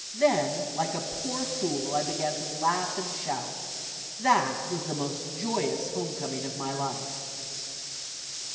Then, like a poor fool, I began to laugh and shout. That was the most joyous home coming of my life.